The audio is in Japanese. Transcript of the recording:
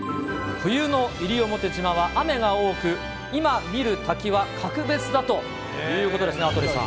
冬の西表島は雨が多く、今見る滝は格別だということですが、羽鳥さん。